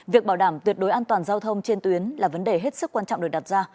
việc bảo đảm tuyệt đối an toàn giao thông trên tuyến là vấn đề hết sức quan trọng được đặt ra